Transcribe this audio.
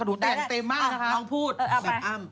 กระดูกแดงเต็มมากนะคะลองพูด๑๐อัมเออเอาไป